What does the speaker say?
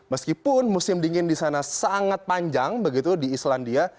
meskipun musim dingin disana sangat panjang begitu di islandia